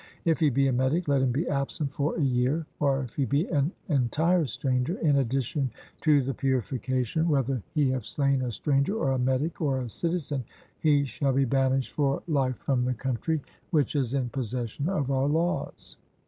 If he be a metic, let him be absent for a year, or if he be an entire stranger, in addition to the purification, whether he have slain a stranger, or a metic, or a citizen, he shall be banished for life from the country which is in possession of our laws.